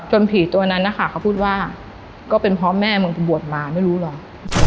ผีตัวนั้นนะคะเขาพูดว่าก็เป็นเพราะแม่มึงบวชมาไม่รู้หรอก